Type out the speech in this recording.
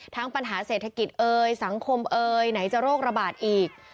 ปัญหาเศรษฐกิจเอยสังคมเอ่ยไหนจะโรคระบาดอีก